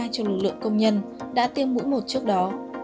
của một lượng công nhân đã tiêm mũi một trước đó